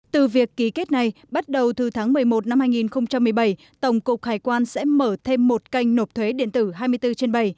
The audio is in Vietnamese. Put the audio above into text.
từ việc ký kết này bắt đầu từ tháng một mươi một năm hai nghìn một mươi bảy tổng cục hải quan sẽ mở thêm một kênh nộp thuế điện tử hai mươi bốn trên bảy